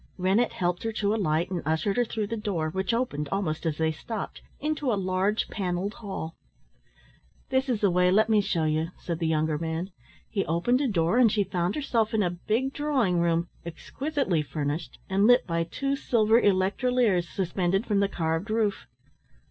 Rennett helped her to alight and ushered her through the door, which opened almost as they stopped, into a large panelled hall. "This is the way, let me show you," said the younger man. He opened a door and she found herself in a big drawing room, exquisitely furnished and lit by two silver electroliers suspended from the carved roof.